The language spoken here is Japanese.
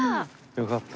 よかった。